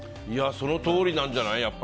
そのとおりなんじゃない？